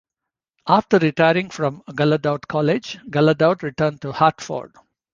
After retiring from Gallaudet College, Gallaudet returned to Hartford.